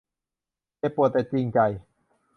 เจ็บปวดแต่จริงใจ